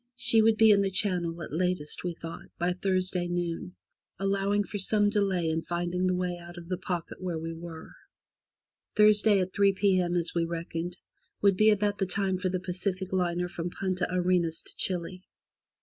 She would be in the channel at latest, we thought, by Thursday noon, allowing for some delay in finding the way out of the pocket where we were. Thursday, at 3 p.m., as we reckoned, would be about the time for the Pacific liner from Punta Arenas to Chile.